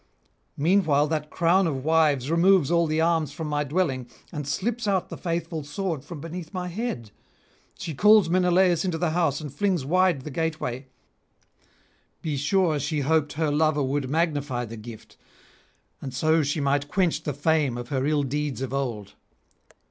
Meanwhile that crown of wives removes all the arms from my dwelling, and slips out the faithful sword from beneath my head: she calls Menelaus into the house and flings wide the gateway: be sure she hoped her lover would magnify the gift, and so she might quench the fame of her ill deeds of old.